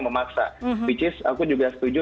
memaksa which is aku juga setuju